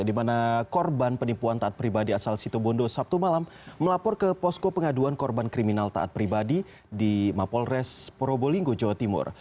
di mana korban penipuan taat pribadi asal situbondo sabtu malam melapor ke posko pengaduan korban kriminal taat pribadi di mapolres probolinggo jawa timur